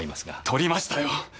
取りましたよ！